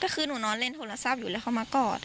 คือหนูนอนเล่นโทรศัพท์อยู่แล้วเขามากอด